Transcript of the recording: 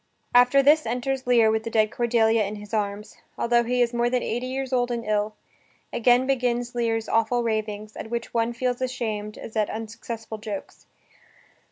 After this enters Lear with the dead Cordelia in his arms, altho he is more than eighty years old and ill. Again begins Lear's awful ravings, at which one feels ashamed as at unsuccessful jokes.